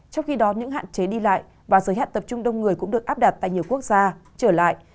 trong khi đó những hạn chế đi lại và giới hạn tập trung đông người cũng được áp đặt tại nhiều quốc gia trở lại